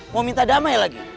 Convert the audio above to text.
mau minta damai lagi